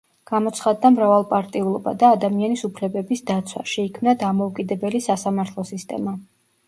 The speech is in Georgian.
გამოცხადდა მრავალპარტიულობა და ადამიანის უფლებების დაცვა, შეიქმნა დამოუკიდებელი სასამართლო სისტემა.